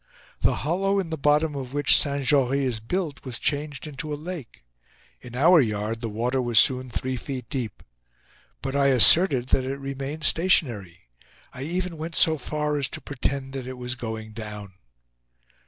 The hollow in the bottom of which Saint Jory is built was changed into a lake. In our yard the water was soon three feet deep. But I asserted that it remained stationary—I even went so far as to pretend that it was going down.